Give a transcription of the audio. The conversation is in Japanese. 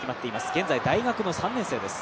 現在、大学の３年生です。